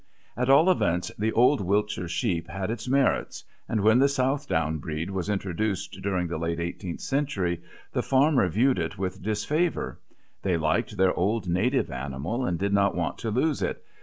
At all events the old Wiltshire sheep had its merits, and when the Southdown breed was introduced during the late eighteenth century the farmer viewed it with disfavour; they liked their old native animal, and did not want to lose it.